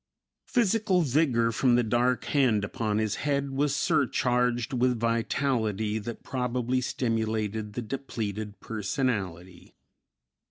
Physical vigor from the dark hand upon his head was surcharged with vitality that probably stimulated the depleted personality.